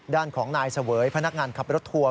ด้านของนายเสวยพนักงานขับรถทัวร์